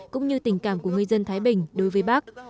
cũng như tình cảm của người dân thái bình đối với bác